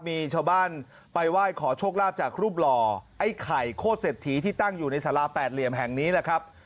มีชาวบ้านไปไหว้ขอโชคลาภจากรูปหล่อไอ้ไข่โคตรเศรษฐีที่ตั้งอยู่ในสาราแปดเหลี่ยมแห่งนี้แหละครับ